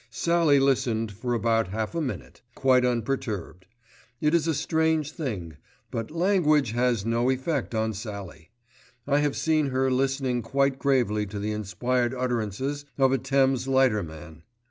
Sallie listened for about half a minute, quite unperturbed. It is a strange thing; but "language" has no effect on Sallie. I have seen her listening quite gravely to the inspired utterances of a Thames lighterman.